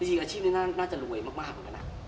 จริงอาชีพนี้น่าจะรวยมากเหมือนกันนะ